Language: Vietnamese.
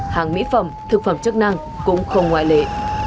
hàng mỹ phẩm thực phẩm chức năng cũng không ngoại lệ